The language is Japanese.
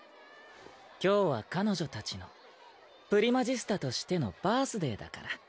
今日は彼女たちのプリマジスタとしてのバースデーだから。